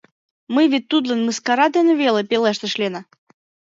— Мый вет тудлан мыскара дене веле... — пелештыш Лена.